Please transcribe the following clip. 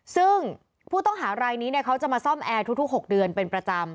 ซึ่งผู้ต้องหารายนี้เขาจะมาซ่อมแอร์ทุก๖เดือนเป็นประจำ